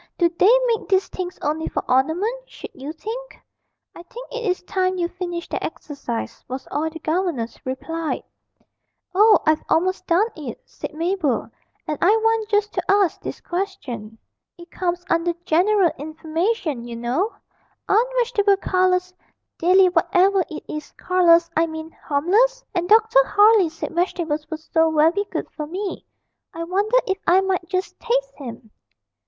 Do they make these things only for ornament, should you think?' 'I think it is time you finished that exercise,' was all the governess replied. 'Oh, I've almost done it,' said Mabel, 'and I want just to ask this question (it comes under "general information," you know) aren't vegetable colours "dilly whatever it is" colours I mean harmless? And Dr. Harley said vegetables were so very good for me. I wonder if I might just taste him.'